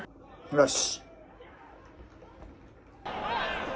よし。